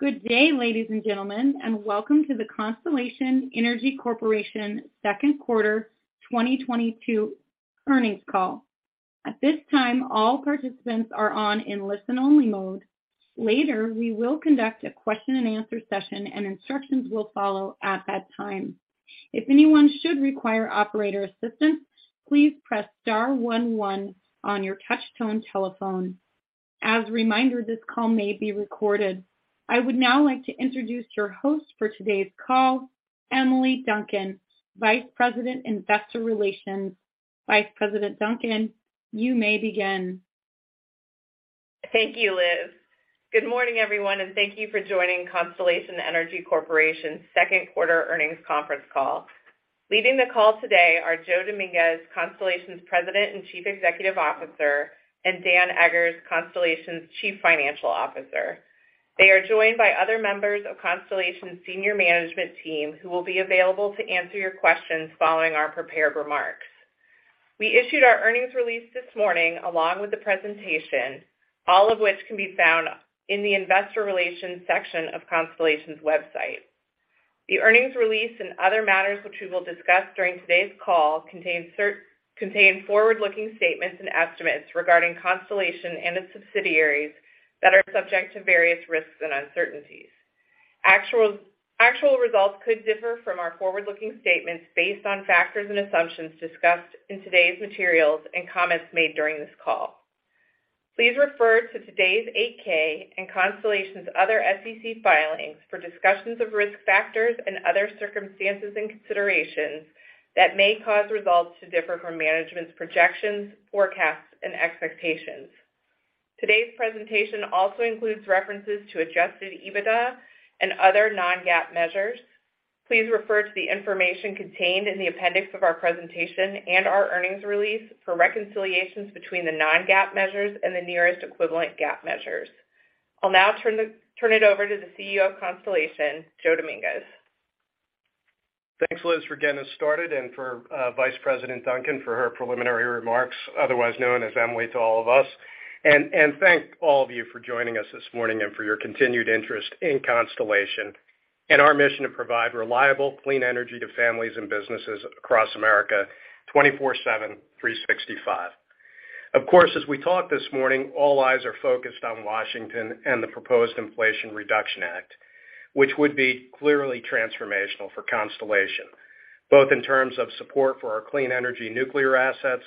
Good day, ladies and gentlemen, and welcome to the Constellation Energy Corporation second quarter 2022 earnings call. At this time, all participants are on in listen-only mode. Later, we will conduct a question and answer session, and instructions will follow at that time. If anyone should require operator assistance, please press star one one on your touchtone telephone. As a reminder, this call may be recorded. I would now like to introduce your host for today's call, Emily Duncan, Vice President, Investor Relations. Vice President Duncan, you may begin. Thank you, Liz. Good morning, everyone, and thank you for joining Constellation Energy Corporation Second Quarter Earnings Conference Call. Leading the call today are Joe Dominguez, Constellation's President and Chief Executive Officer, and Dan Eggers, Constellation's Chief Financial Officer. They are joined by other members of Constellation Senior Management Team who will be available to answer your questions following our prepared remarks. We issued our earnings release this morning along with the presentation, all of which can be found in the Investor Relations section of Constellation's website. The earnings release and other matters which we will discuss during today's call contain forward-looking statements and estimates regarding Constellation and its subsidiaries that are subject to various risks and uncertainties. Actual results could differ from our forward-looking statements based on factors and assumptions discussed in today's materials and comments made during this call. Please refer to today's 8-K and Constellation's other SEC filings for discussions of risk factors and other circumstances and considerations that may cause results to differ from management's projections, forecasts, and expectations. Today's presentation also includes references to adjusted EBITDA and other non-GAAP measures. Please refer to the information contained in the appendix of our presentation and our earnings release for reconciliations between the non-GAAP measures and the nearest equivalent GAAP measures. I'll now turn it over to the CEO of Constellation, Joe Dominguez. Thanks, Liz, for getting us started and for Vice President Duncan for her preliminary remarks, otherwise known as Emily to all of us. Thank all of you for joining us this morning and for your continued interest in Constellation and our mission to provide reliable, clean energy to families and businesses across America 24/7, 365. Of course, as we talk this morning, all eyes are focused on Washington and the proposed Inflation Reduction Act, which would be clearly transformational for Constellation, both in terms of support for our clean energy nuclear assets,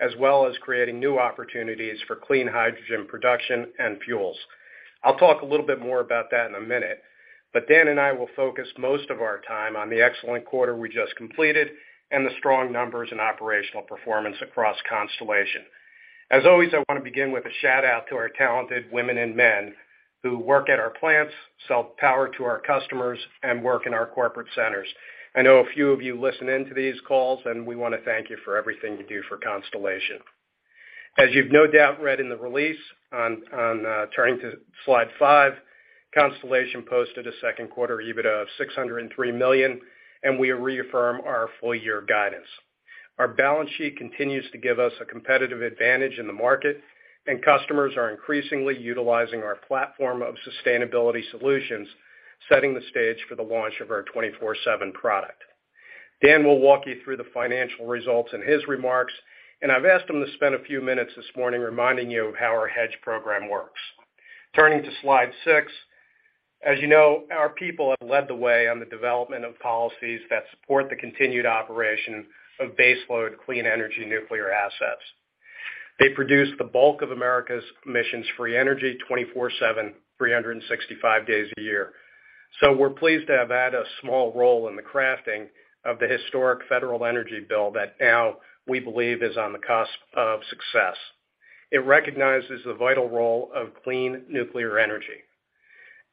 as well as creating new opportunities for clean hydrogen production and fuels. I'll talk a little bit more about that in a minute, but Dan and I will focus most of our time on the excellent quarter we just completed and the strong numbers and operational performance across Constellation. As always, I want to begin with a shout-out to our talented women and men who work at our plants, sell power to our customers, and work in our corporate centers. I know a few of you listen in to these calls, and we wanna thank you for everything you do for Constellation. As you've no doubt read in the release, turning to slide five, Constellation posted a second quarter EBITDA of $603 million, and we reaffirm our full year guidance. Our balance sheet continues to give us a competitive advantage in the market, and customers are increasingly utilizing our platform of sustainability solutions, setting the stage for the launch of our 24/7 product. Dan will walk you through the financial results in his remarks, and I've asked him to spend a few minutes this morning reminding you of how our hedge program works. Turning to slide six, as you know, our people have led the way on the development of policies that support the continued operation of baseload clean energy nuclear assets. They produce the bulk of America's emissions-free energy 24/7, 365 days a year. We're pleased to have had a small role in the crafting of the historic federal energy bill that now we believe is on the cusp of success. It recognizes the vital role of clean nuclear energy.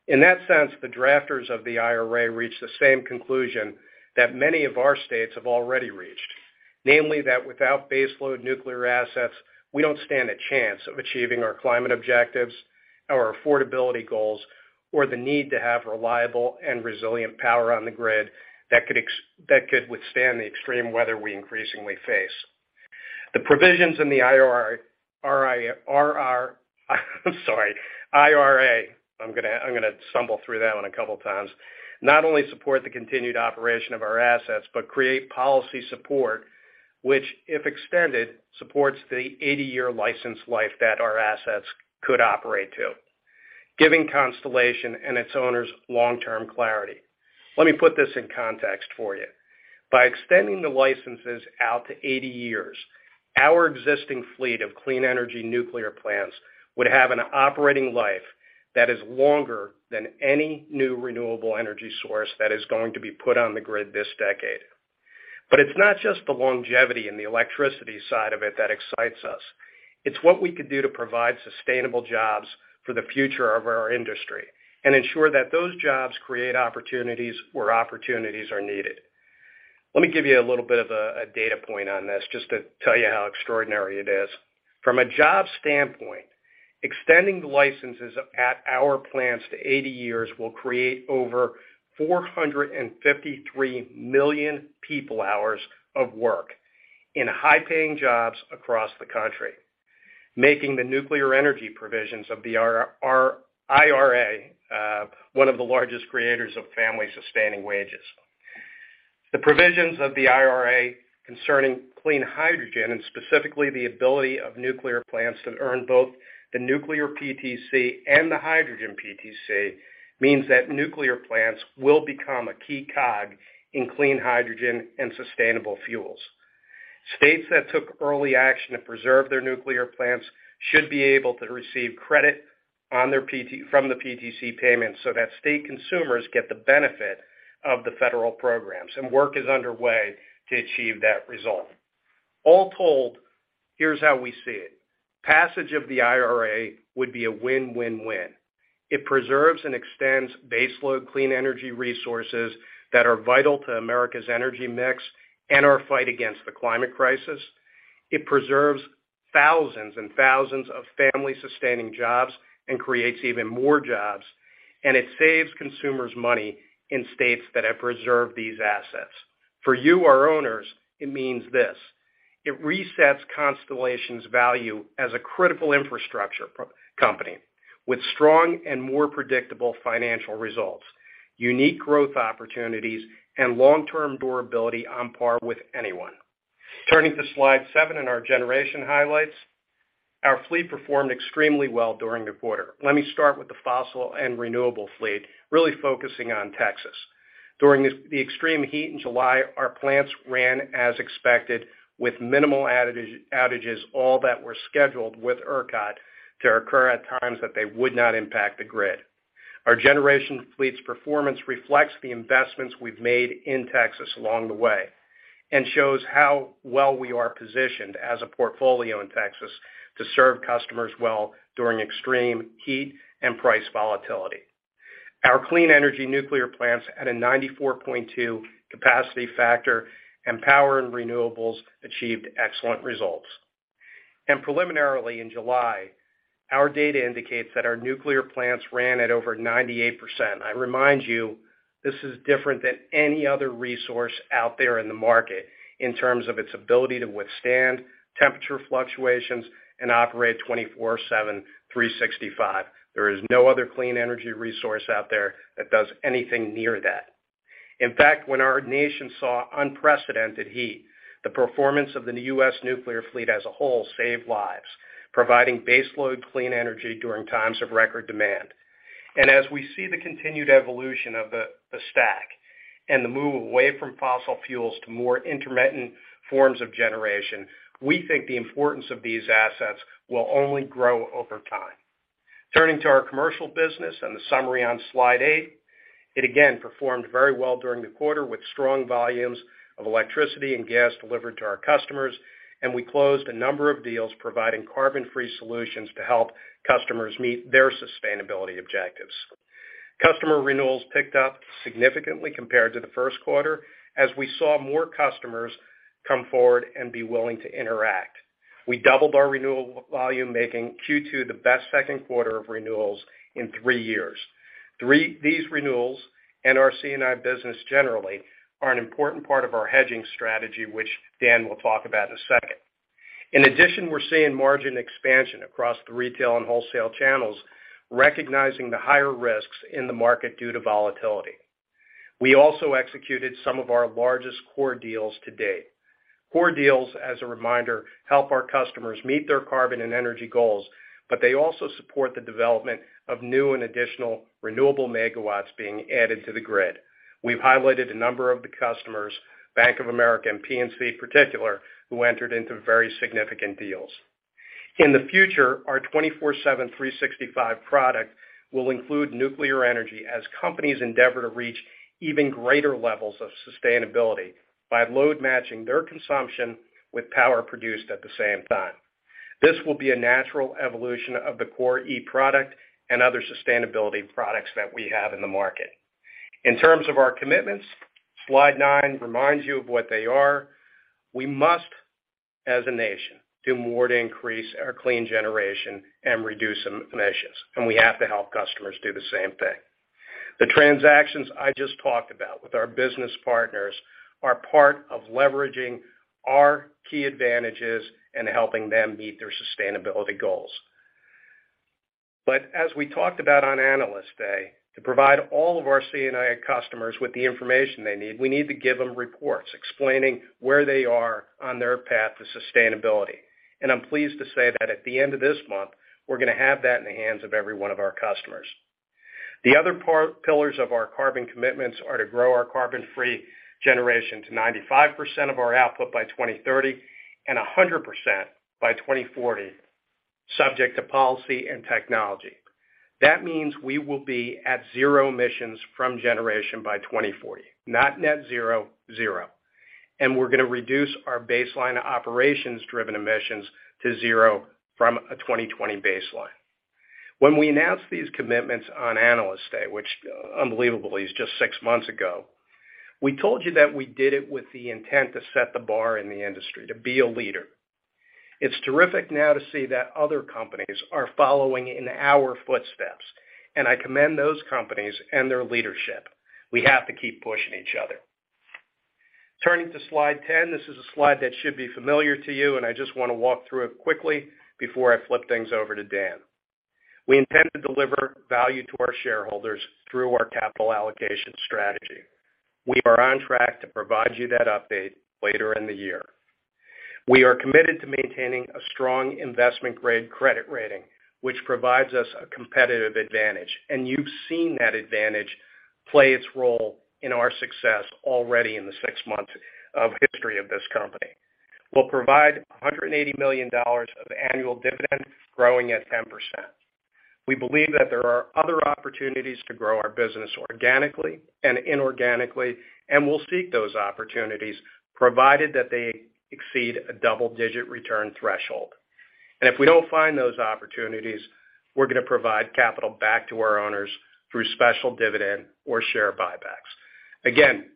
In that sense, the drafters of the IRA reached the same conclusion that many of our states have already reached. Namely that without baseload nuclear assets, we don't stand a chance of achieving our climate objectives, our affordability goals, or the need to have reliable and resilient power on the grid that could withstand the extreme weather we increasingly face. The provisions in the IRA, I'm sorry, I'm gonna stumble through that one a couple times, not only support the continued operation of our assets, but create policy support, which, if extended, supports the 80-year license life that our assets could operate to, giving Constellation and its owners long-term clarity. Let me put this in context for you. By extending the licenses out to 80 years, our existing fleet of clean energy nuclear plants would have an operating life that is longer than any new renewable energy source that is going to be put on the grid this decade. It's not just the longevity and the electricity side of it that excites us. It's what we could do to provide sustainable jobs for the future of our industry and ensure that those jobs create opportunities where opportunities are needed. Let me give you a little bit of a data point on this just to tell you how extraordinary it is. From a job standpoint, extending the licenses at our plants to 80 years will create over 453 million people hours of work. In high-paying jobs across the country, making the nuclear energy provisions of the IRA one of the largest creators of family-sustaining wages. The provisions of the IRA concerning clean hydrogen, and specifically the ability of nuclear plants to earn both the nuclear PTC and the hydrogen PTC, means that nuclear plants will become a key cog in clean hydrogen and sustainable fuels. States that took early action to preserve their nuclear plants should be able to receive credit on their PTC payments so that state consumers get the benefit of the federal programs, and work is underway to achieve that result. All told, here's how we see it. Passage of the IRA would be a win-win-win. It preserves and extends baseload clean energy resources that are vital to America's energy mix and our fight against the climate crisis. It preserves thousands and thousands of family-sustaining jobs and creates even more jobs, and it saves consumers money in states that have preserved these assets. For you, our owners, it means this: it resets Constellation's value as a critical infrastructure company with strong and more predictable financial results, unique growth opportunities, and long-term durability on par with anyone. Turning to slide seven in our generation highlights, our fleet performed extremely well during the quarter. Let me start with the fossil and renewable fleet, really focusing on Texas. During the extreme heat in July, our plants ran as expected with minimal outages, all that were scheduled with ERCOT to occur at times that they would not impact the grid. Our generation fleet's performance reflects the investments we've made in Texas along the way and shows how well we are positioned as a portfolio in Texas to serve customers well during extreme heat and price volatility. Our clean energy nuclear plants at a 94.2 capacity factor and power and renewables achieved excellent results. Preliminarily in July, our data indicates that our nuclear plants ran at over 98%. I remind you, this is different than any other resource out there in the market in terms of its ability to withstand temperature fluctuations and operate 24/7, 365. There is no other clean energy resource out there that does anything near that. In fact, when our nation saw unprecedented heat, the performance of the U.S. nuclear fleet as a whole saved lives, providing baseload clean energy during times of record demand. As we see the continued evolution of the stack and the move away from fossil fuels to more intermittent forms of generation, we think the importance of these assets will only grow over time. Turning to our commercial business and the summary on slide eight, it again performed very well during the quarter with strong volumes of electricity and gas delivered to our customers, and we closed a number of deals providing carbon-free solutions to help customers meet their sustainability objectives. Customer renewals picked up significantly compared to the first quarter as we saw more customers come forward and be willing to interact. We doubled our renewal volume, making Q2 the best second quarter of renewals in three years. These renewals and our C&I business generally are an important part of our hedging strategy, which Dan will talk about in a second. In addition, we're seeing margin expansion across the retail and wholesale channels, recognizing the higher risks in the market due to volatility. We also executed some of our largest CORe deals to date. CORe deals, as a reminder, help our customers meet their carbon and energy goals, but they also support the development of new and additional renewable megawatts being added to the grid. We've highlighted a number of the customers, Bank of America and PNC in particular, who entered into very significant deals. In the future, our 24/7, 365 product will include nuclear energy as companies endeavor to reach even greater levels of sustainability by load matching their consumption with power produced at the same time. This will be a natural evolution of the CORe product and other sustainability products that we have in the market. In terms of our commitments, slide nine reminds you of what they are. We must, as a nation, do more to increase our clean generation and reduce emissions, and we have to help customers do the same thing. The transactions I just talked about with our business partners are part of leveraging our key advantages and helping them meet their sustainability goals. As we talked about on Analyst Day, to provide all of our C&I customers with the information they need, we need to give them reports explaining where they are on their path to sustainability. I'm pleased to say that at the end of this month, we're gonna have that in the hands of every one of our customers. The other pillars of our carbon commitments are to grow our carbon-free generation to 95% of our output by 2030 and 100% by 2040, subject to policy and technology. That means we will be at zero emissions from generation by 2040. Not net zero. We're gonna reduce our baseline operations-driven emissions to zero from a 2020 baseline. When we announced these commitments on Analyst Day, which unbelievably is just six months ago, we told you that we did it with the intent to set the bar in the industry, to be a leader. It's terrific now to see that other companies are following in our footsteps, and I commend those companies and their leadership. We have to keep pushing each other. Turning to slide 10. This is a slide that should be familiar to you, and I just wanna walk through it quickly before I flip things over to Dan. We intend to deliver value to our shareholders through our capital allocation strategy. We are on track to provide you that update later in the year. We are committed to maintaining a strong investment-grade credit rating, which provides us a competitive advantage, and you've seen that advantage play its role in our success already in the six months of history of this company. We'll provide $180 million of annual dividend growing at 10%. We believe that there are other opportunities to grow our business organically and inorganically, and we'll seek those opportunities, provided that they exceed a double-digit return threshold. If we don't find those opportunities, we're gonna provide capital back to our owners through special dividend or share buybacks. Again,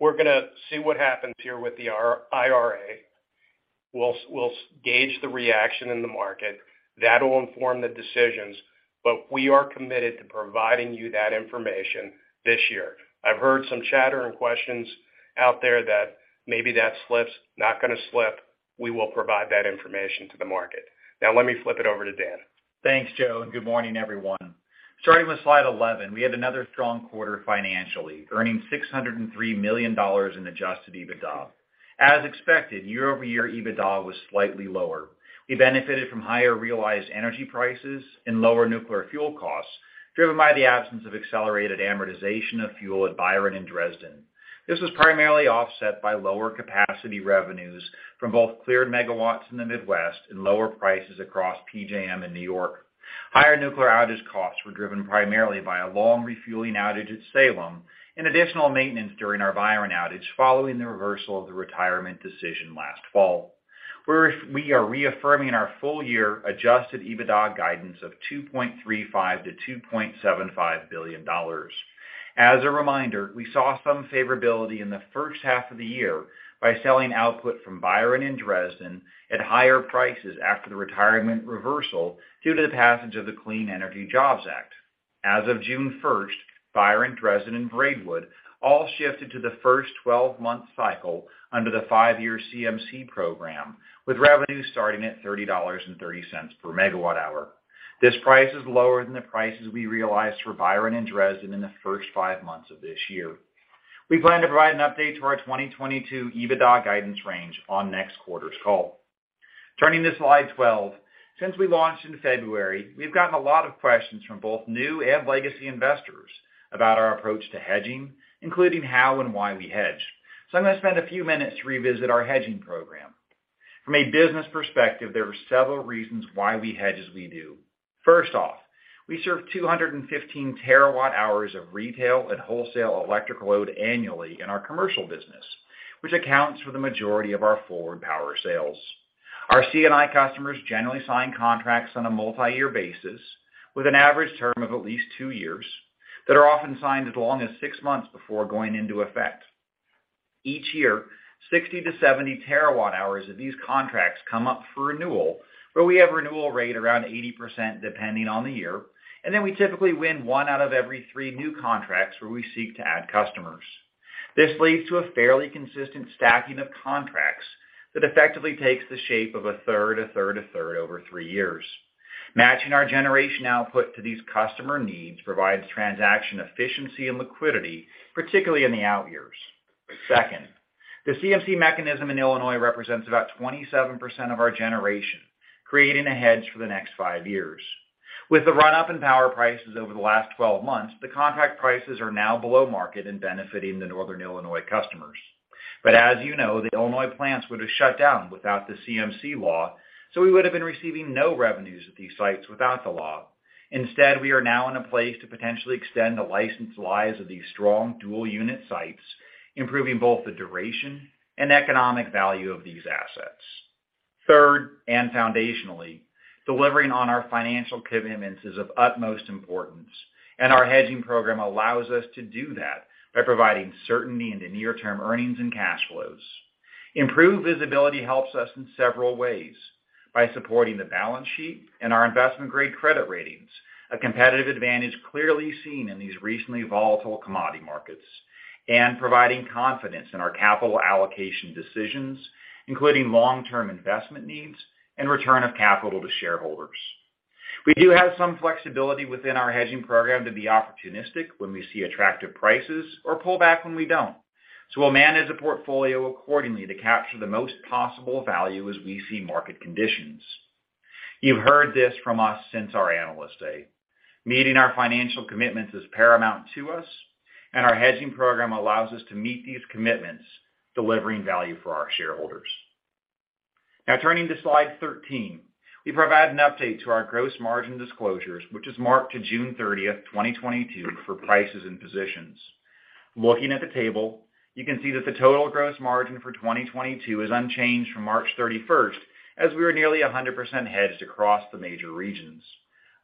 we're gonna see what happens here with the IRA. We'll gauge the reaction in the market. That'll inform the decisions, but we are committed to providing you that information this year. I've heard some chatter and questions out there that maybe that slips. Not gonna slip. We will provide that information to the market. Now let me flip it over to Dan. Thanks, Joe, and good morning, everyone. Starting with slide 11. We had another strong quarter financially, earning $603 million in adjusted EBITDA. As expected, year-over-year EBITDA was slightly lower. We benefited from higher realized energy prices and lower nuclear fuel costs, driven by the absence of accelerated amortization of fuel at Byron and Dresden. This was primarily offset by lower capacity revenues from both cleared megawatts in the Midwest and lower prices across PJM in New York. Higher nuclear outage costs were driven primarily by a long refueling outage at Salem and additional maintenance during our Byron outage following the reversal of the retirement decision last fall. We are reaffirming our full-year adjusted EBITDA guidance of $2.35 billion-$2.75 billion. As a reminder, we saw some favorability in the first half of the year by selling output from Byron and Dresden at higher prices after the retirement reversal due to the passage of the Climate and Equitable Jobs Act. As of June 1, Byron, Dresden, and Braidwood all shifted to the first 12-month cycle under the five-year CMC program, with revenues starting at $30.30 per MWh. This price is lower than the prices we realized for Byron and Dresden in the first five months of this year. We plan to provide an update to our 2022 EBITDA guidance range on next quarter's call. Turning to slide 12. Since we launched in February, we've gotten a lot of questions from both new and legacy investors about our approach to hedging, including how and why we hedge. I'm gonna spend a few minutes to revisit our hedging program. From a business perspective, there are several reasons why we hedge as we do. First off, we serve 215 TWhs of retail and wholesale electrical load annually in our commercial business, which accounts for the majority of our forward power sales. Our C&I customers generally sign contracts on a multiyear basis with an average term of at least two years that are often signed as long as six months before going into effect. Each year, 60-70 TWhs of these contracts come up for renewal, where we have a renewal rate around 80% depending on the year, and then we typically win one out of every three new contracts where we seek to add customers. This leads to a fairly consistent stacking of contracts that effectively takes the shape of 1/3, 1/3, 1/3 over three years. Matching our generation output to these customer needs provides transaction efficiency and liquidity, particularly in the outyears. Second, the CMC mechanism in Illinois represents about 27% of our generation, creating a hedge for the next five years. With the run-up in power prices over the last 12 months, the contract prices are now below market and benefiting the northern Illinois customers. As you know, the Illinois plants would have shut down without the CMC law, so we would have been receiving no revenues at these sites without the law. Instead, we are now in a place to potentially extend the licensed lives of these strong dual-unit sites, improving both the duration and economic value of these assets. Third, and foundationally, delivering on our financial commitments is of utmost importance, and our hedging program allows us to do that by providing certainty into near-term earnings and cash flows. Improved visibility helps us in several ways, by supporting the balance sheet and our investment-grade credit ratings, a competitive advantage clearly seen in these recently volatile commodity markets, and providing confidence in our capital allocation decisions, including long-term investment needs and return of capital to shareholders. We do have some flexibility within our hedging program to be opportunistic when we see attractive prices or pull back when we don't, so we'll manage the portfolio accordingly to capture the most possible value as we see market conditions. You've heard this from us since our Analyst Day. Meeting our financial commitments is paramount to us, and our hedging program allows us to meet these commitments, delivering value for our shareholders. Now turning to slide 13. We provide an update to our gross margin disclosures, which is marked to June 30, 2022, for prices and positions. Looking at the table, you can see that the total gross margin for 2022 is unchanged from March 31, as we are nearly 100% hedged across the major regions.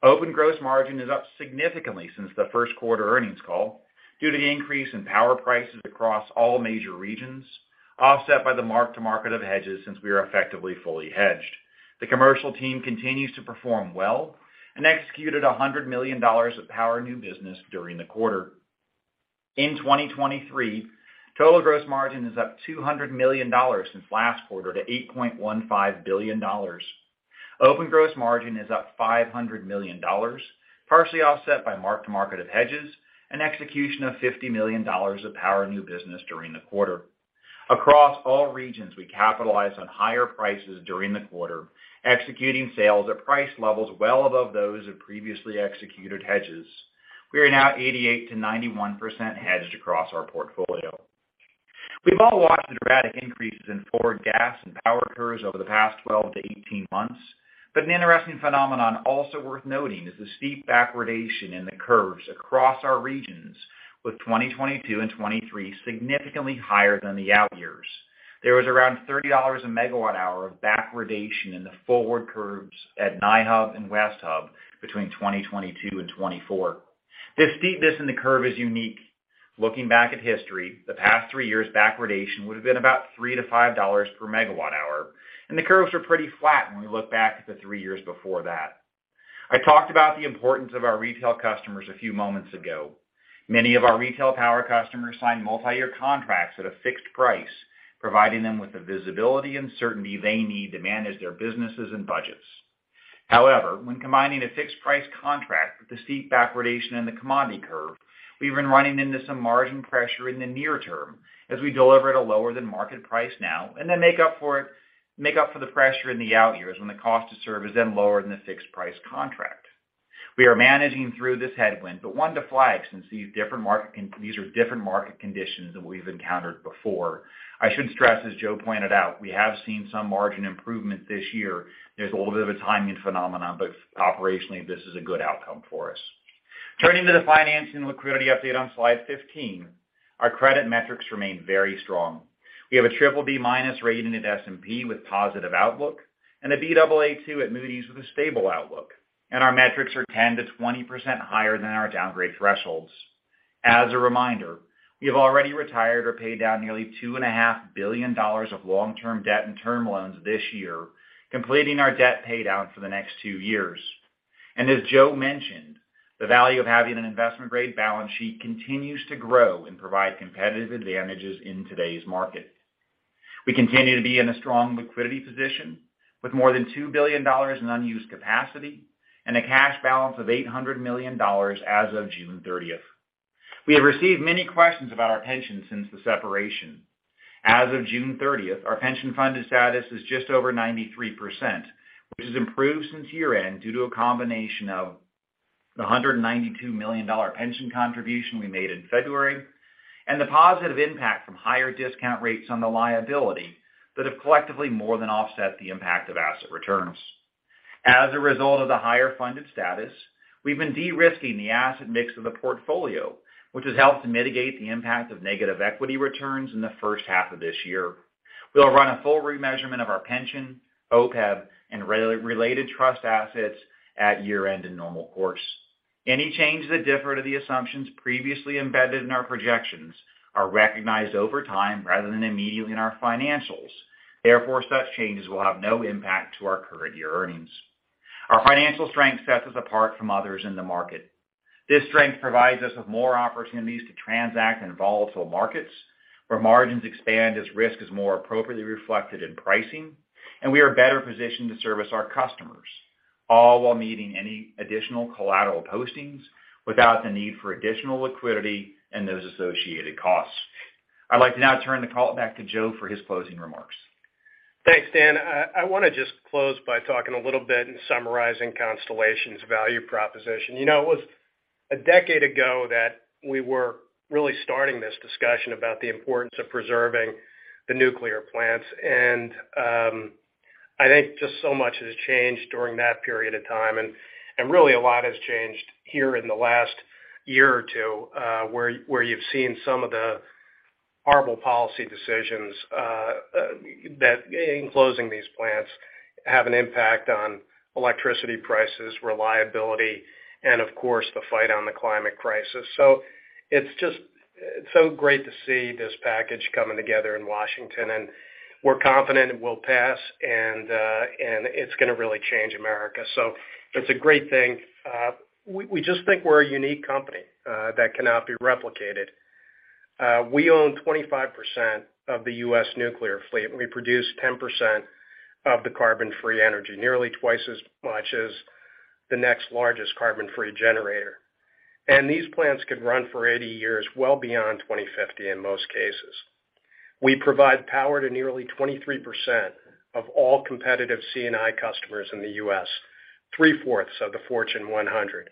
Open gross margin is up significantly since the first quarter earnings call due to the increase in power prices across all major regions, offset by the mark-to-market of hedges since we are effectively fully hedged. The commercial team continues to perform well and executed $100 million of power new business during the quarter. In 2023, total gross margin is up $200 million since last quarter to $8.15 billion. Open gross margin is up $500 million, partially offset by mark-to-market of hedges and execution of $50 million of power new business during the quarter. Across all regions, we capitalized on higher prices during the quarter, executing sales at price levels well above those of previously executed hedges. We are now 88%-91% hedged across our portfolio. We've all watched the dramatic increases in forward gas and power curves over the past 12-18 months, but an interesting phenomenon also worth noting is the steep backwardation in the curves across our regions with 2022 and 2023 significantly higher than the out years. There was around $30/MWh of backwardation in the forward curves at NY Hub and West Hub between 2022 and 2024. This steepness in the curve is unique. Looking back at history, the past three years' backwardation would have been about $3-$5 per MWh, and the curves were pretty flat when we look back at the three years before that. I talked about the importance of our retail customers a few moments ago. Many of our retail power customers sign multiyear contracts at a fixed price, providing them with the visibility and certainty they need to manage their businesses and budgets. However, when combining a fixed price contract with the steep backwardation in the commodity curve, we've been running into some margin pressure in the near term as we deliver at a lower-than-market price now and then make up for the pressure in the out years when the cost to serve is then lower than the fixed price contract. We are managing through this headwind, but one to flag since these are different market conditions than we've encountered before. I should stress, as Joe pointed out, we have seen some margin improvement this year. There's a little bit of a timing phenomenon, but operationally, this is a good outcome for us. Turning to the finance and liquidity update on slide 15, our credit metrics remain very strong. We have a BBB- rating at S&P with positive outlook and a Baa2 at Moody's with a stable outlook, and our metrics are 10%-20% higher than our downgrade thresholds. As a reminder, we have already retired or paid down nearly $2.5 billion of long-term debt and term loans this year, completing our debt paydown for the next two years. As Joe mentioned, the value of having an investment-grade balance sheet continues to grow and provide competitive advantages in today's market. We continue to be in a strong liquidity position with more than $2 billion in unused capacity and a cash balance of $800 million as of June 30. We have received many questions about our pension since the separation. As of June 30, our pension funded status is just over 93%, which has improved since year-end due to a combination of the $192 million pension contribution we made in February and the positive impact from higher discount rates on the liability that have collectively more than offset the impact of asset returns. As a result of the higher funded status, we've been de-risking the asset mix of the portfolio, which has helped to mitigate the impact of negative equity returns in the first half of this year. We'll run a full remeasurement of our pension, OPEB, and other related trust assets at year-end in normal course. Any changes that differ to the assumptions previously embedded in our projections are recognized over time rather than immediately in our financials. Therefore, such changes will have no impact to our current year earnings. Our financial strength sets us apart from others in the market. This strength provides us with more opportunities to transact in volatile markets where margins expand as risk is more appropriately reflected in pricing, and we are better positioned to service our customers, all while meeting any additional collateral postings without the need for additional liquidity and those associated costs. I'd like to now turn the call back to Joe for his closing remarks. Thanks, Dan. I wanna just close by talking a little bit and summarizing Constellation's value proposition. You know, it was a decade ago that we were really starting this discussion about the importance of preserving the nuclear plants. I think just so much has changed during that period of time, and really a lot has changed here in the last year or two, where you've seen some of the horrible policy decisions that in closing these plants have an impact on electricity prices, reliability, and of course, the fight on the climate crisis. It's just it's so great to see this package coming together in Washington, and we're confident it will pass and it's gonna really change America. It's a great thing. We just think we're a unique company that cannot be replicated. We own 25% of the U.S. nuclear fleet, and we produce 10% of the carbon-free energy, nearly twice as much as the next largest carbon-free generator. These plants could run for 80 years, well beyond 2050 in most cases. We provide power to nearly 23% of all competitive C&I customers in the U.S., 3/4 of the Fortune 100.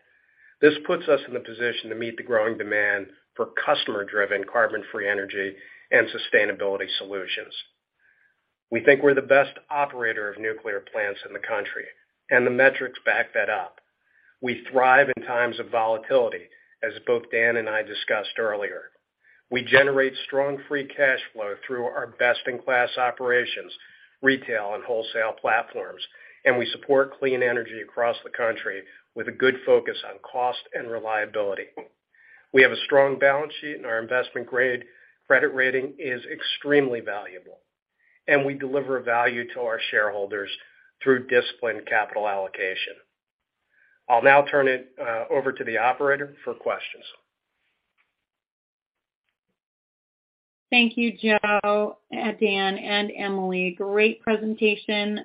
This puts us in the position to meet the growing demand for customer-driven carbon-free energy and sustainability solutions. We think we're the best operator of nuclear plants in the country, and the metrics back that up. We thrive in times of volatility, as both Dan and I discussed earlier. We generate strong free cash flow through our best-in-class operations, retail and wholesale platforms, and we support clean energy across the country with a good focus on cost and reliability. We have a strong balance sheet, and our investment-grade credit rating is extremely valuable, and we deliver value to our shareholders through disciplined capital allocation. I'll now turn it over to the operator for questions. Thank you, Joe, Dan, and Emily. Great presentation.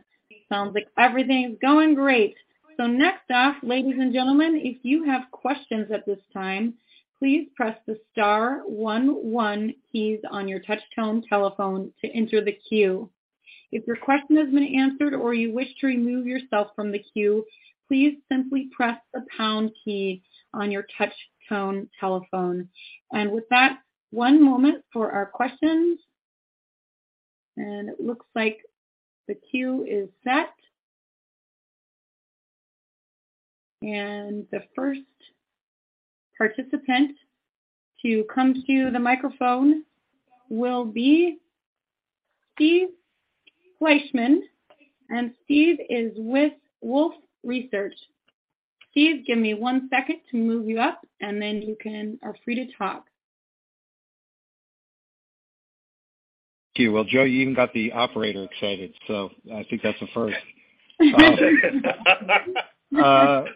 Sounds like everything's going great. Next up, ladies and gentlemen, if you have questions at this time, please press the star one one keys on your touchtone telephone to enter the queue. If your question has been answered or you wish to remove yourself from the queue, please simply press the pound key on your touchtone telephone. With that, one moment for our questions. It looks like the queue is set. The first participant to come to the microphone will be Steve Fleishman, and Steve is with Wolfe Research. Steve, give me one second to move you up, and then you are free to talk. Thank you. Well, Joe, you even got the operator excited, so I think that's a first.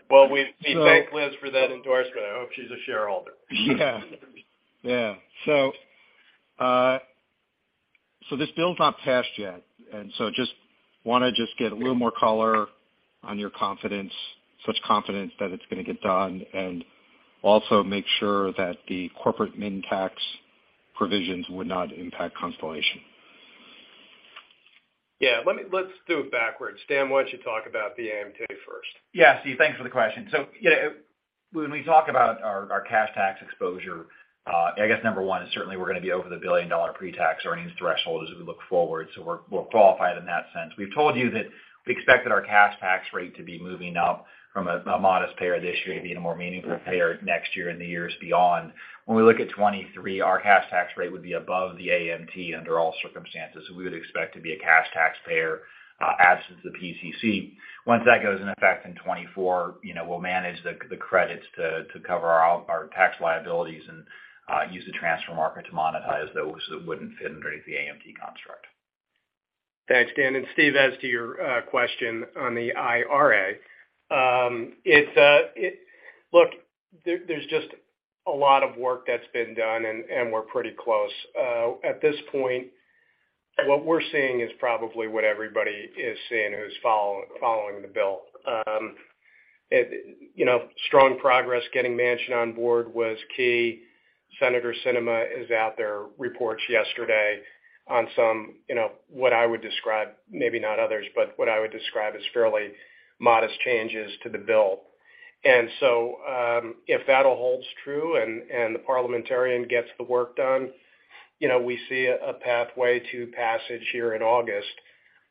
Well, we thank Liz for that endorsement. I hope she's a shareholder. This bill's not passed yet, and just wanna get a little more color on your confidence, such confidence that it's gonna get done, and also make sure that the corporate minimum tax provisions would not impact Constellation. Yeah. Let's do it backwards. Dan, why don't you talk about the AMT first? Yeah, Steve, thanks for the question. You know, when we talk about our cash tax exposure, I guess number one is certainly we're gonna be over the billion-dollar pretax earnings threshold as we look forward, so we're qualified in that sense. We've told you that we expected our cash tax rate to be moving up from a modest payer this year to be a more meaningful payer next year and the years beyond. When we look at 2023, our cash tax rate would be above the AMT under all circumstances, so we would expect to be a cash taxpayer, as is the PTC. Once that goes in effect in 2024, you know, we'll manage the credits to cover our tax liabilities and use the transfer market to monetize those that wouldn't fit underneath the AMT construct. Thanks, Dan. Steve, as to your question on the IRA, look, there's just a lot of work that's been done and we're pretty close. At this point, what we're seeing is probably what everybody is seeing who's following the bill. You know, strong progress getting Manchin on board was key. Senator Sinema is out there, reports yesterday on some, you know, what I would describe, maybe not others, but what I would describe as fairly modest changes to the bill. If that all holds true and the parliamentarian gets the work done, you know, we see a pathway to passage here in August.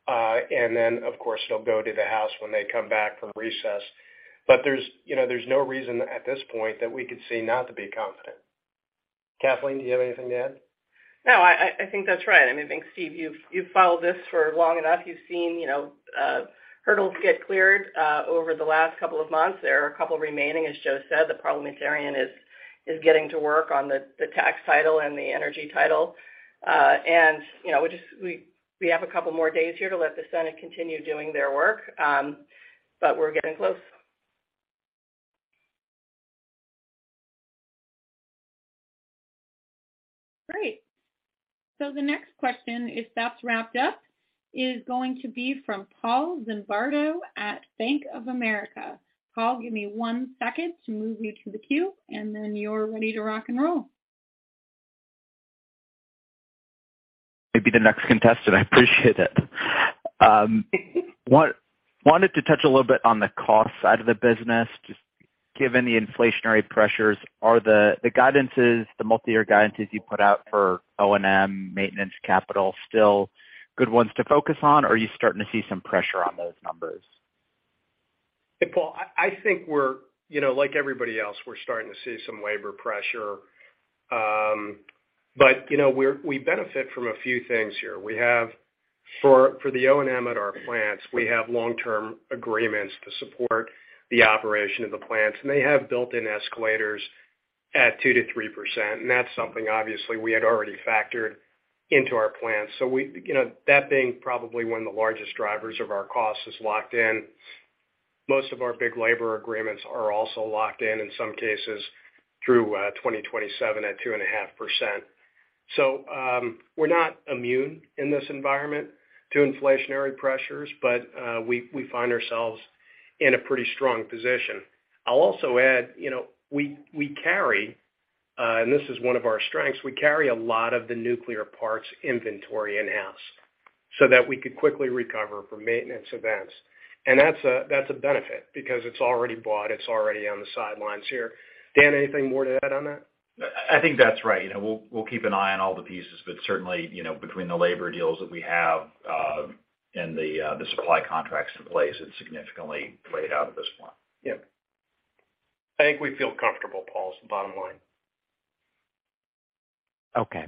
Of course, it'll go to the House when they come back from recess. There's, you know, there's no reason at this point that we could see not to be confident. Kathleen, do you have anything to add? No, I think that's right. I mean, I think, Steve, you've followed this for long enough. You've seen, you know, hurdles get cleared over the last couple of months. There are a couple remaining, as Joe said. The parliamentarian is getting to work on the tax title and the energy title. You know, we have a couple more days here to let the Senate continue doing their work, but we're getting close. Great. The next question, if that's wrapped up, is going to be from Paul Zimbardo at Bank of America. Paul, give me one second to move you to the queue, and then you're ready to rock and roll. Maybe the next contestant. I appreciate it. Wanted to touch a little bit on the cost side of the business. Just given the inflationary pressures, are the guidances, the multiyear guidances you put out for O&M, maintenance, capital still good ones to focus on, or are you starting to see some pressure on those numbers? Hey, Paul. I think we're, you know, like everybody else, we're starting to see some labor pressure. You know, we benefit from a few things here. We have for the O&M at our plants, we have long-term agreements to support the operation of the plants, and they have built-in escalators at 2%-3%, and that's something obviously we had already factored into our plans. We, you know, that being probably one of the largest drivers of our costs is locked in. Most of our big labor agreements are also locked in some cases through 2027 at 2.5%. We're not immune in this environment to inflationary pressures, but we find ourselves in a pretty strong position. I'll also add, you know, we carry, and this is one of our strengths, we carry a lot of the nuclear parts inventory in-house so that we could quickly recover from maintenance events. That's a benefit because it's already bought, it's already on the sidelines here. Dan, anything more to add on that? I think that's right. You know, we'll keep an eye on all the pieces, but certainly, you know, between the labor deals that we have, and the supply contracts in place, it's significantly laid out at this point. Yeah. I think we feel comfortable, Paul, bottom line. Okay,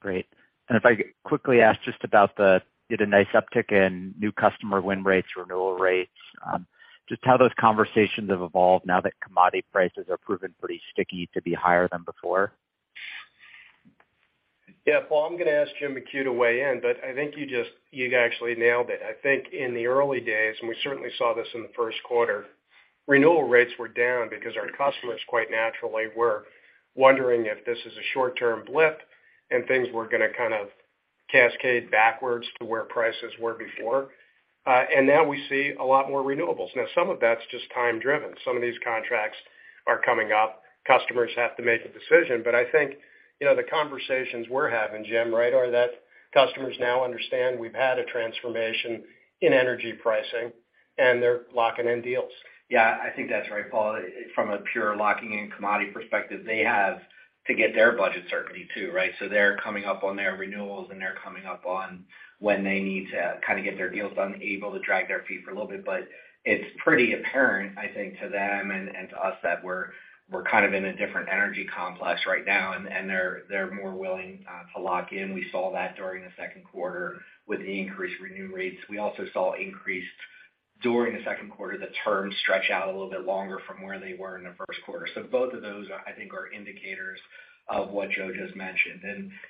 great. If I could quickly ask just about you had a nice uptick in new customer win rates, renewal rates. Just how those conversations have evolved now that commodity prices have proven pretty sticky to be higher than before? Yeah. Paul, I'm gonna ask James McHugh to weigh in, but I think you actually nailed it. I think in the early days, and we certainly saw this in the first quarter, renewal rates were down because our customers quite naturally were wondering if this is a short-term blip, and things were gonna kind of cascade backwards to where prices were before. Now we see a lot more renewables. Now, some of that's just time-driven. Some of these contracts are coming up. Customers have to make a decision. I think, you know, the conversations we're having, Jim, right, are that customers now understand we've had a transformation in energy pricing and they're locking in deals. Yeah, I think that's right, Paul. From a pure locking in commodity perspective, they have to get their budget certainty too, right? They're coming up on their renewals, and they're coming up on when they need to kind of get their deals done, able to drag their feet for a little bit. It's pretty apparent, I think, to them and to us that we're kind of in a different energy complex right now, and they're more willing to lock in. We saw that during the second quarter with the increased renew rates. We also saw increased during the second quarter, the terms stretch out a little bit longer from where they were in the first quarter. Both of those, I think are indicators of what Joe just mentioned.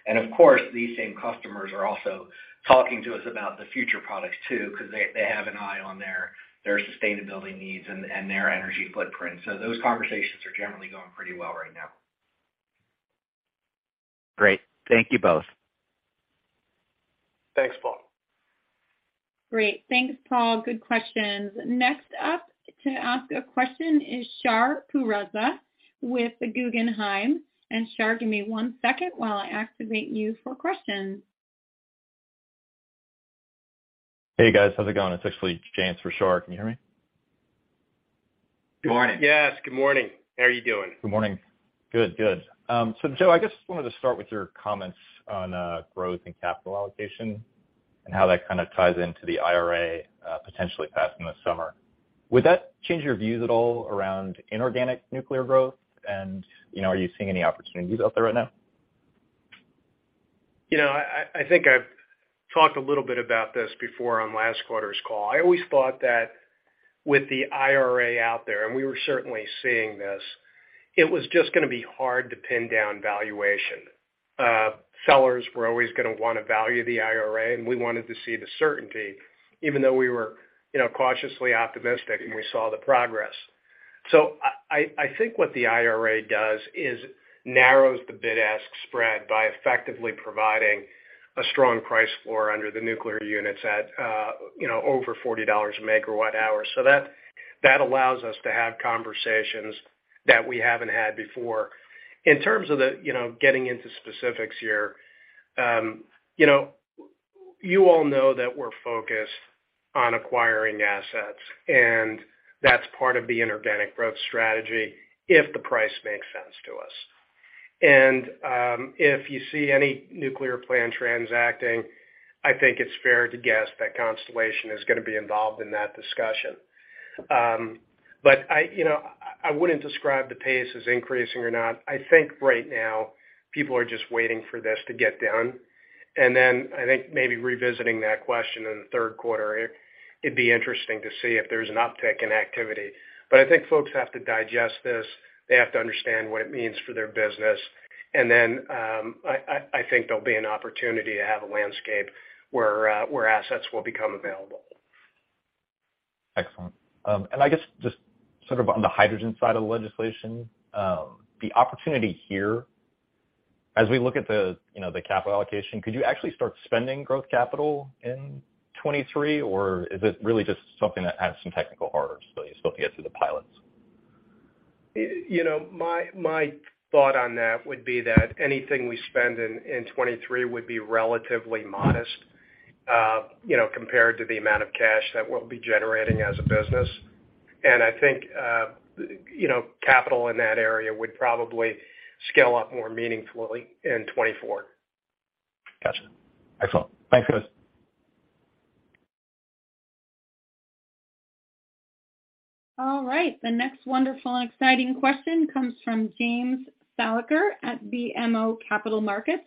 Of course, these same customers are also talking to us about the future products too, 'cause they have an eye on their sustainability needs and their energy footprint. Those conversations are generally going pretty well right now. Great. Thank you both. Thanks, Paul. Great. Thanks, Paul. Good questions. Next up to ask a question is Shar Pourreza with Guggenheim. Shar, give me one second while I activate you for questions. Hey, guys. How's it going? It's actually James for Shar. Can you hear me? Good morning. Yes. Good morning. How are you doing? Good morning. Joe, I guess just wanted to start with your comments on growth and capital allocation and how that kind of ties into the IRA potentially passing this summer. Would that change your views at all around inorganic nuclear growth? You know, are you seeing any opportunities out there right now? You know, I think I've talked a little bit about this before on last quarter's call. I always thought that with the IRA out there, and we were certainly seeing this, it was just gonna be hard to pin down valuation. Sellers were always gonna wanna value the IRA, and we wanted to see the certainty, even though we were, you know, cautiously optimistic, and we saw the progress. I think what the IRA does is narrows the bid-ask spread by effectively providing a strong price floor under the nuclear units at, you know, over $40/MWh. That allows us to have conversations that we haven't had before. In terms of the, you know, getting into specifics here, you know, you all know that we're focused on acquiring assets, and that's part of the inorganic growth strategy if the price makes sense to us. If you see any nuclear plant transacting, I think it's fair to guess that Constellation is gonna be involved in that discussion. You know, I wouldn't describe the pace as increasing or not. I think right now people are just waiting for this to get done. I think maybe revisiting that question in the third quarter, it'd be interesting to see if there's an uptick in activity. I think folks have to digest this. They have to understand what it means for their business. I think there'll be an opportunity to have a landscape where assets will become available. Excellent. I guess just sort of on the hydrogen side of the legislation, the opportunity here, as we look at the, you know, the capital allocation, could you actually start spending growth capital in 2023, or is it really just something that has some technical hurdles still, you still have to get through the pilots? You know, my thought on that would be that anything we spend in 2023 would be relatively modest, you know, compared to the amount of cash that we'll be generating as a business. I think, you know, capital in that area would probably scale up more meaningfully in 2024. Gotcha. Excellent. Thanks, guys. All right. The next wonderful and exciting question comes from James Thalacker at BMO Capital Markets.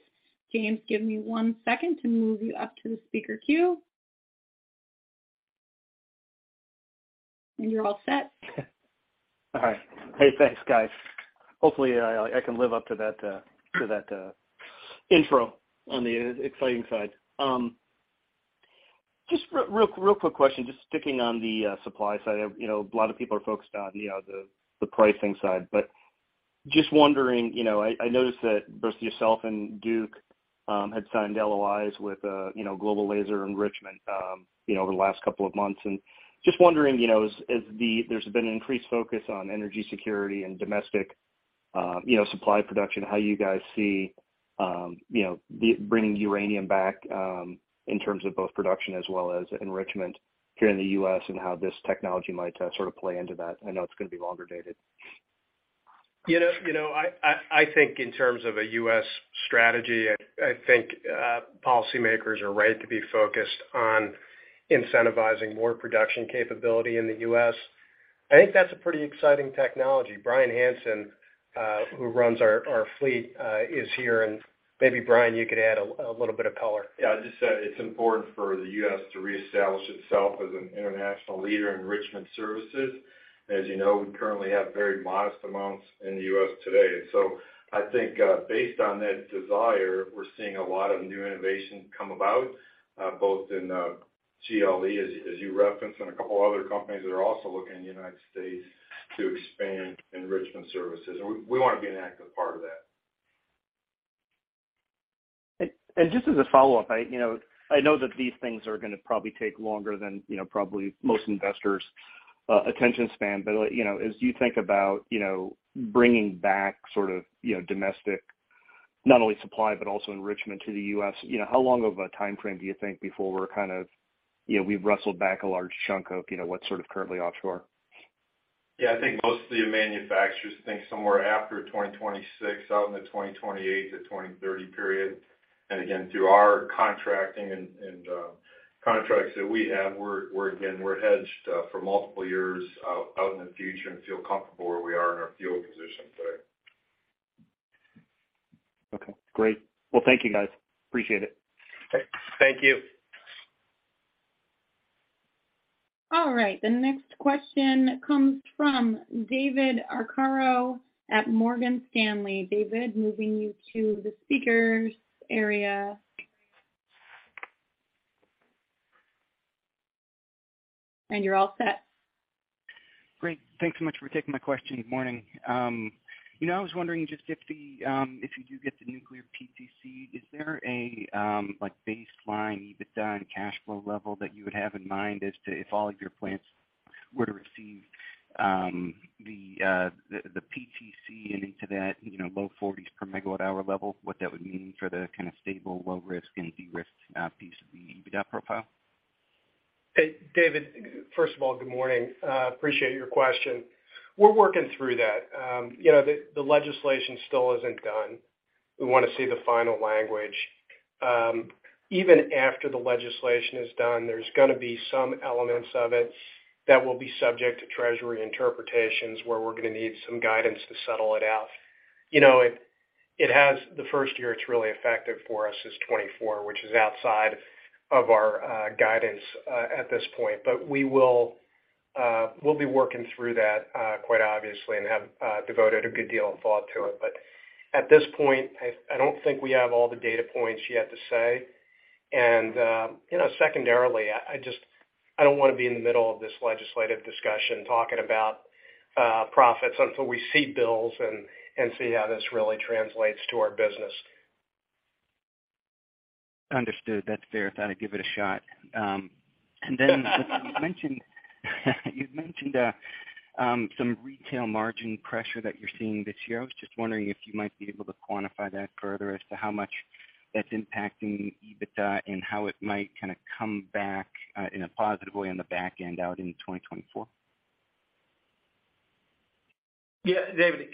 James, give me one second to move you up to the speaker queue. You're all set. All right. Hey, thanks, guys. Hopefully I can live up to that intro on the exciting side. Just real quick question, just sticking on the supply side. You know, a lot of people are focused on, you know, the pricing side. Just wondering, you know, I noticed that both yourself and Duke had signed LOIs with, you know, Global Laser Enrichment, you know, over the last couple of months. Just wondering, you know, there's been an increased focus on energy security and domestic, you know, supply production, how you guys see, you know, bringing uranium back, in terms of both production as well as enrichment here in the U.S. and how this technology might sort of play into that. I know it's gonna be longer dated. You know, I think in terms of a U.S. strategy, I think policymakers are right to be focused on incentivizing more production capability in the U.S. I think that's a pretty exciting technology. Bryan Hanson, who runs our fleet, is here, and maybe Bryan, you could add a little bit of color. Yeah. I'd just say it's important for the U.S. to reestablish itself as an international leader in enrichment services. As you know, we currently have very modest amounts in the U.S. today. I think, based on that desire, we're seeing a lot of new innovation come about, both in GLE, as you referenced, and a couple other companies that are also looking in the United States to expand enrichment services. We wanna be an active part of that. Just as a follow-up, you know, I know that these things are gonna probably take longer than, you know, probably most investors' attention span. You know, as you think about, you know, bringing back sort of, you know, domestic not only supply but also enrichment to the U.S., you know, how long of a timeframe do you think before we're kind of, you know, we've wrestled back a large chunk of, you know, what's sort of currently offshore? Yeah. I think most of the manufacturers think somewhere after 2026 out in the 2028 to 2030 period. Again, through our contracting and contracts that we have, we're again hedged for multiple years out in the future and feel comfortable where we are in our fuel position today. Okay, great. Well, thank you guys. Appreciate it. Okay. Thank you. All right, the next question comes from David Arcaro at Morgan Stanley. David, moving you to the speakers area. You're all set. Great. Thanks so much for taking my question. Good morning. You know, I was wondering just if you do get the nuclear PTC, is there a like baseline EBITDA and cash flow level that you would have in mind as to if all of your plants were to receive the PTC and into that, you know, low forties per MWh level, what that would mean for the kind of stable, low risk and de-risked piece of the EBITDA profile? Hey, David, first of all, good morning. Appreciate your question. We're working through that. You know, the legislation still isn't done. We wanna see the final language. Even after the legislation is done, there's gonna be some elements of it that will be subject to Treasury interpretations, where we're gonna need some guidance to settle it out. You know, it has the first year it's really effective for us is 2024, which is outside of our guidance at this point. We will be working through that quite obviously and have devoted a good deal of thought to it. At this point, I don't think we have all the data points yet to say. you know, secondarily, I just don't wanna be in the middle of this legislative discussion talking about profits until we see bills and see how this really translates to our business. Understood. That's fair. Thought I'd give it a shot. You've mentioned some retail margin pressure that you're seeing this year. I was just wondering if you might be able to quantify that further as to how much that's impacting EBITDA and how it might kinda come back in a positive way on the back end out in 2024. Yeah, David,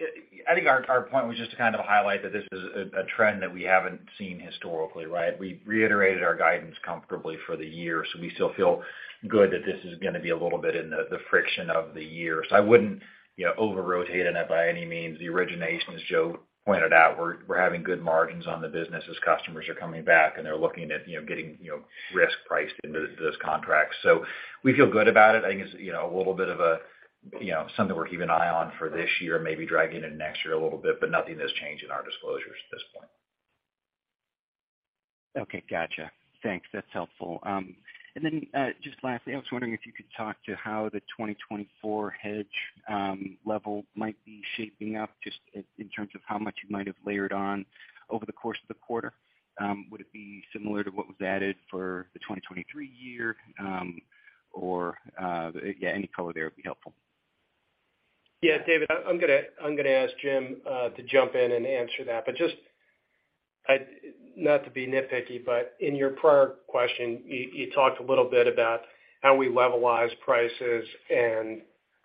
I think our point was just to kind of highlight that this is a trend that we haven't seen historically, right? We reiterated our guidance comfortably for the year. We still feel good that this is gonna be a little bit in the friction of the year. I wouldn't, you know, over-rotate in it by any means. The originations, Joe pointed out, we're having good margins on the business as customers are coming back, and they're looking at, you know, getting, you know, risk priced into this contract. We feel good about it. I think it's, you know, a little bit of a, you know, something we're keeping an eye on for this year, maybe dragging in next year a little bit, but nothing has changed in our disclosures at this point. Okay. Gotcha. Thanks. That's helpful. And then, just lastly, I was wondering if you could talk to how the 2024 hedge level might be shaping up, just in terms of how much you might have layered on over the course of the quarter. Would it be similar to what was added for the 2023 year? Or, yeah, any color there would be helpful. Yeah, David, I'm gonna ask Jim to jump in and answer that. Just, not to be nitpicky, but in your prior question, you talked a little bit about how we levelize prices and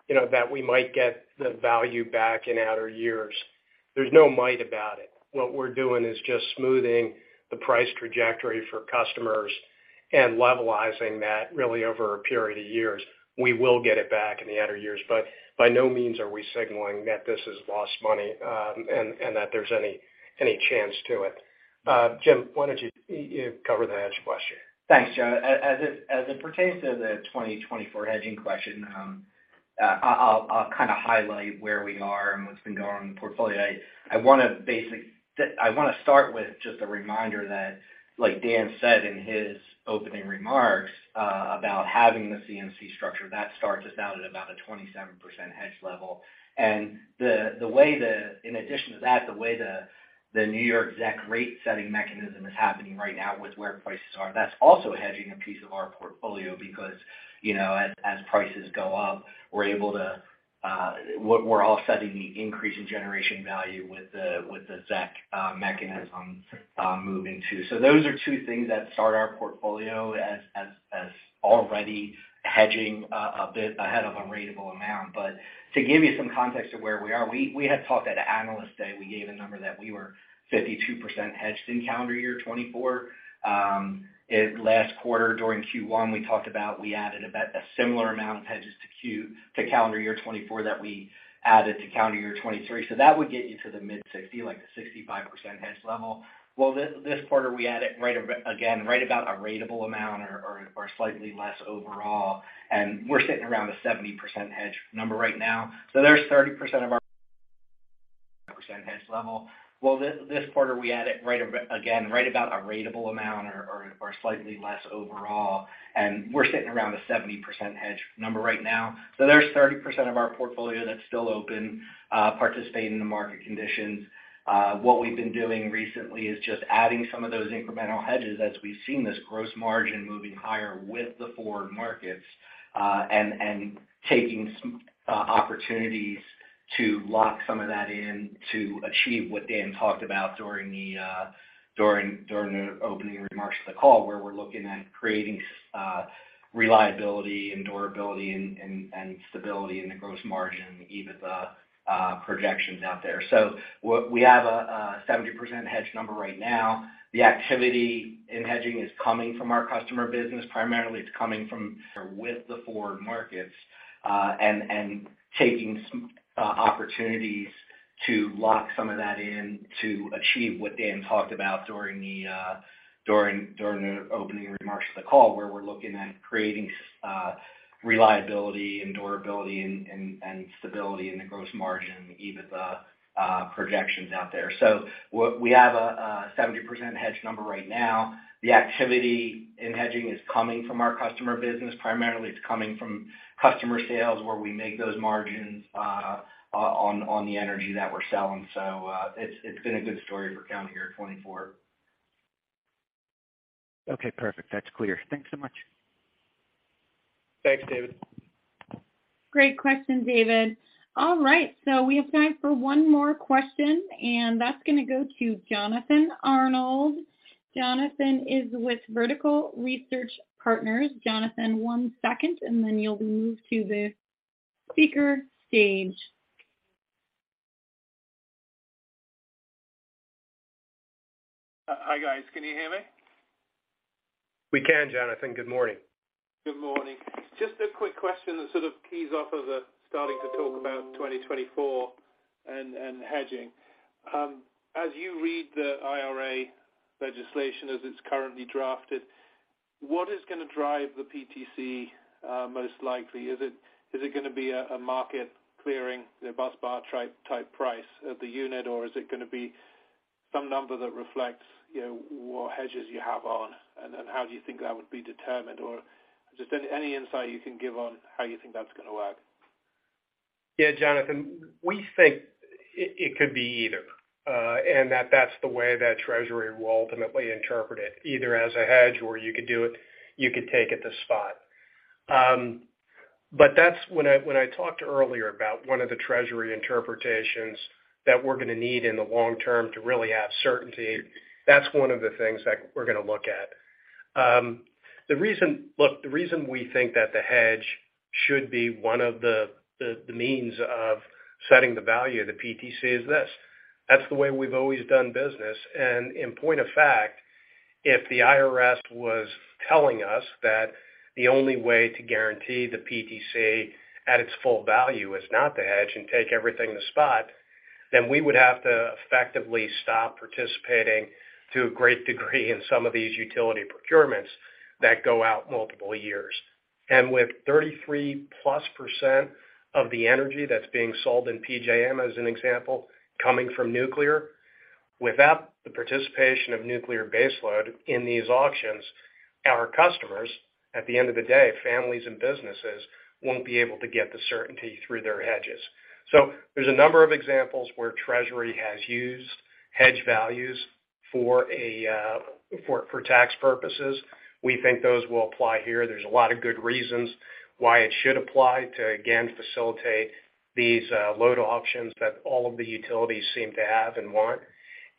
you know that we might get the value back in outer years. There's no might about it. What we're doing is just smoothing the price trajectory for customers and levelizing that really over a period of years. We will get it back in the outer years. By no means are we signaling that this is lost money, and that there's any chance to it. Jim, why don't you cover the hedge question? Thanks, Joe. As it pertains to the 2024 hedging question, I'll kinda highlight where we are and what's been going on in the portfolio. I wanna start with just a reminder that, like Dan said in his opening remarks, about having the CMC structure, that starts us out at about a 27% hedge level. In addition to that, the way the New York ZEC rate setting mechanism is happening right now with where prices are, that's also hedging a piece of our portfolio because, you know, as prices go up, we're able to, we're offsetting the increase in generation value with the ZEC mechanism moving too. Those are two things that start our portfolio as already hedging a bit ahead of a ratable amount. To give you some context of where we are, we had talked at Analyst Day, we gave a number that we were 52% hedged in calendar year 2024. Last quarter during Q1, we talked about we added about a similar amount of hedges to calendar year 2024 that we added to calendar year 2023. That would get you to the mid-60s, like the 65% hedge level. Well, this quarter, we added right again, right about a ratable amount or slightly less overall, and we're sitting around a 70% hedge number right now. There's 30% of our- Well, this quarter, we had it right again, right about a ratable amount or slightly less overall, and we're sitting around a 70% hedge number right now. There's 30% of our portfolio that's still open, participating in the market conditions. What we've been doing recently is just adding some of those incremental hedges as we've seen this gross margin moving higher with the forward markets, and taking some opportunities to lock some of that in to achieve what Dan talked about during the opening remarks of the call, where we're looking at creating reliability and durability and stability in the gross margin, the EBITDA projections out there. We have a 70% hedge number right now. The activity in hedging is coming from our customer business. Primarily, it's coming from the forward markets and taking some opportunities to lock some of that in to achieve what Dan talked about during the opening remarks of the call, where we're looking at creating reliability and durability and stability in the gross margin, the EBITDA projections out there. We have a 70% hedge number right now. The activity in hedging is coming from our customer business. Primarily, it's coming from customer sales where we make those margins on the energy that we're selling. It's been a good story for Constellation here in 2024. Okay, perfect. That's clear. Thanks so much. Thanks, David. Great question, David. All right, so we have time for one more question, and that's gonna go to Jonathan Arnold. Jonathan is with Vertical Research Partners. Jonathan, one second, and then you'll be moved to the speaker stage. Hi guys. Can you hear me? We can, Jonathan. Good morning. Good morning. Just a quick question that sort of keys off of the starting to talk about 2024 and hedging. As you read the IRA legislation as it's currently drafted, what is gonna drive the PTC most likely? Is it gonna be a market clearing, you know, busbar type price of the unit, or is it gonna be some number that reflects, you know, what hedges you have on, and then how do you think that would be determined? Or just any insight you can give on how you think that's gonna work. Yeah, Jonathan, we think it could be either, and that's the way that Treasury will ultimately interpret it, either as a hedge or you could do it, you could take it to spot. That's when I talked earlier about one of the Treasury interpretations that we're gonna need in the long term to really have certainty, that's one of the things that we're gonna look at. Look, the reason we think that the hedge should be one of the means of setting the value of the PTC is this. That's the way we've always done business. In point of fact, if the IRS was telling us that the only way to guarantee the PTC at its full value is not to hedge and take everything to spot, then we would have to effectively stop participating to a great degree in some of these utility procurements that go out multiple years. With 33%+ of the energy that's being sold in PJM, as an example, coming from nuclear, without the participation of nuclear baseload in these auctions, our customers, at the end of the day, families and businesses, won't be able to get the certainty through their hedges. There's a number of examples where Treasury has used hedge values for tax purposes. We think those will apply here. There's a lot of good reasons why it should apply to, again, facilitate these load options that all of the utilities seem to have and want.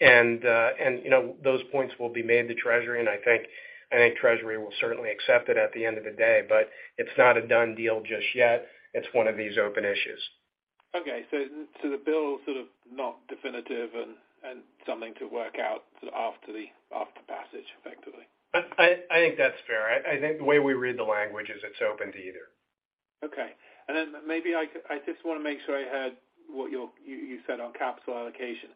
You know, those points will be made to Treasury, and I think Treasury will certainly accept it at the end of the day. It's not a done deal just yet. It's one of these open issues. Okay. The bill sort of not definitive and something to work out after passage, effectively. I think that's fair. I think the way we read the language is it's open to either. Okay. Maybe I just wanna make sure I heard what you said on capital allocation.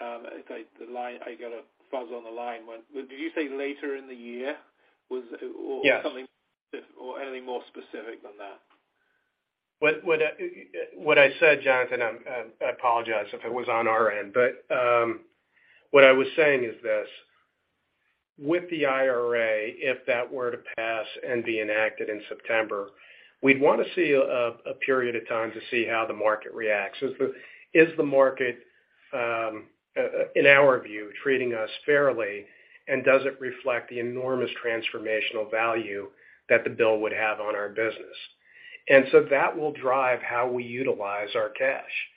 I got a fuzz on the line. Did you say later in the year was? Yes. Something or anything more specific than that? What I said, Jonathan, I apologize if it was on our end, but what I was saying is this: With the IRA, if that were to pass and be enacted in September, we'd wanna see a period of time to see how the market reacts. Is the market, in our view, treating us fairly, and does it reflect the enormous transformational value that the bill would have on our business? That will drive how we utilize our cash,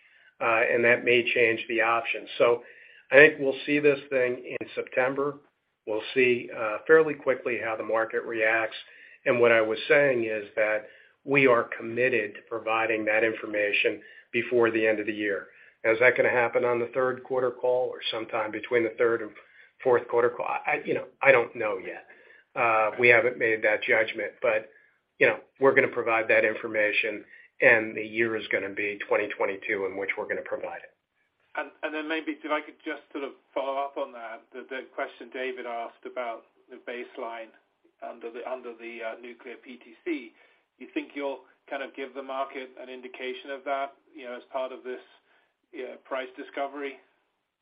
and that may change the option. I think we'll see this thing in September. We'll see fairly quickly how the market reacts. What I was saying is that we are committed to providing that information before the end of the year. Now, is that gonna happen on the third quarter call or sometime between the third and fourth quarter call? I, you know, I don't know yet. We haven't made that judgment, but, you know, we're gonna provide that information, and the year is gonna be 2022 in which we're gonna provide it. Then maybe if I could just sort of follow up on that, the question David asked about the baseline under the nuclear PTC. You think you'll kind of give the market an indication of that, you know, as part of this, you know, price discovery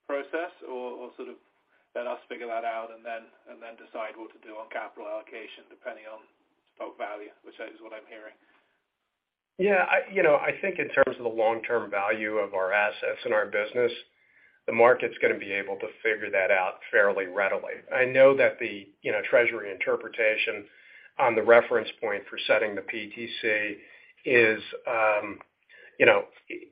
process or sort of let us figure that out and then decide what to do on capital allocation depending on stock value, which is what I'm hearing? Yeah. I, you know, I think in terms of the long-term value of our assets and our business, the market's gonna be able to figure that out fairly readily. I know that the, you know, treasury interpretation on the reference point for setting the PTC is, you know,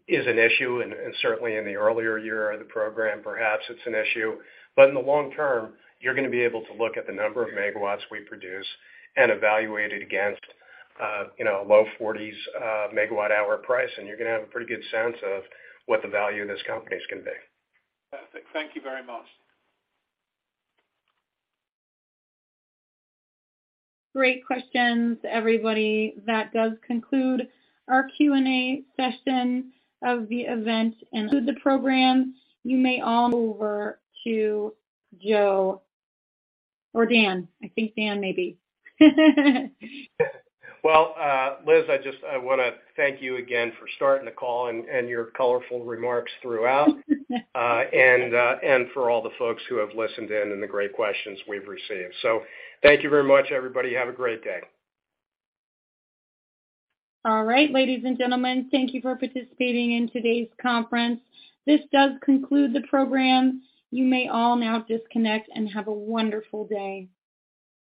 is an issue and certainly in the earlier year of the program, perhaps it's an issue. In the long term, you're gonna be able to look at the number of megawatts we produce and evaluate it against, you know, low 40s $/MWh price, and you're gonna have a pretty good sense of what the value of this company is gonna be. Perfect. Thank you very much. Great questions, everybody. That does conclude our Q&A session of the event. To the program, you may all move over to Joe or Dan. I think Dan maybe. Well, Liz, I wanna thank you again for starting the call and your colorful remarks throughout. For all the folks who have listened in and the great questions we've received. Thank you very much, everybody. Have a great day. All right. Ladies and gentlemen, thank you for participating in today's conference. This does conclude the program. You may all now disconnect and have a wonderful day.